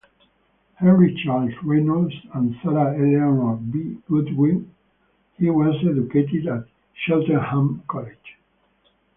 Henry Charles Reynolds and Sarah Eleanor B. Goodwyn, he was educated at Cheltenham College.